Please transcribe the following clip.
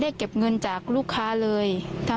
ความปลอดภัยของนายอภิรักษ์และครอบครัวด้วยซ้ำ